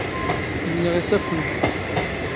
ⵏⵏⵉⵖ ⵉⵙ ⴰⴽⴽⵯ ⵏⵓⴼ.